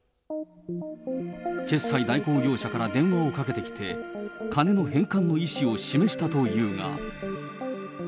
決済代行業者から電話をかけてきて、金の返還の意思を示したというが。